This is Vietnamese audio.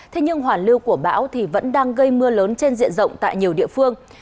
thế nhưng hoàn lưu của bão thì vẫn đang gây mưa lớn trên diện rộng tại nhiều địa phương